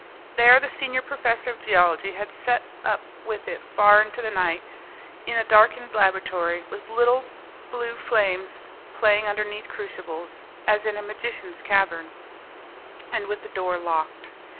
There the senior professor of geology had sat up with it far into the night in a darkened laboratory, with little blue flames playing underneath crucibles, as in a magician's cavern, and with the door locked.